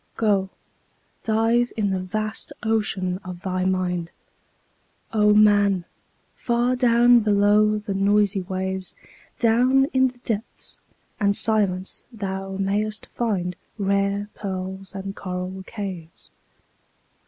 Go, dive in the vast ocean of thy mind, O man! far down below the noisy waves, Down in the depths and silence thou mayst find Rare pearls and coral caves.